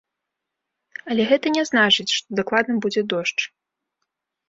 Але гэта не значыць, што дакладна будзе дождж.